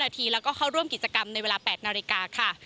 นาทีแล้วก็เข้าร่วมกิจกรรมในเวลา๘นาฬิกาค่ะ